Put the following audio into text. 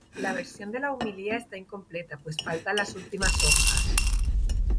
La versión de la homilía está incompleta pues faltan las últimas hojas.